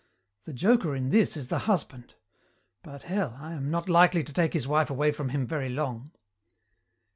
"The joker in this is the husband. But hell, I am not likely to take his wife away from him very long."